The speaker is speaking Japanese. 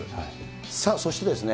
さあそしてですね。